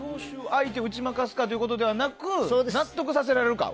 相手を打ち負かすのではなく納得させられるか。